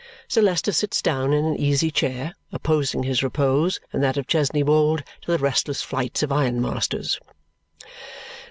Sir Leicester sits down in an easy chair, opposing his repose and that of Chesney Wold to the restless flights of ironmasters.